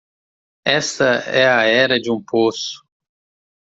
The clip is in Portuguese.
Esta é a era de um poço